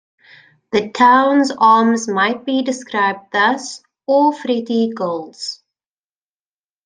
The town's arms might be described thus: "Or fretty gules".